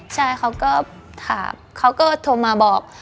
ใช่เขาก็ถามเขาก็โทรมาบอก